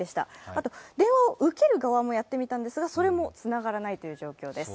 あと、電話を受ける側もやってみたんですが、それもつながらないという状況です。